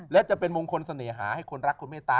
และจะเป็นมงคลเสน่หาให้คนรักคุณเมตตา